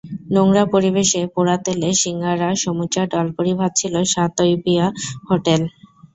নোংরা পরিবেশে পোড়া তেলে শিঙাড়া, সমুচা, ডালপুরি ভাজছিল শাহ তৈয়বিয়া হোটেল।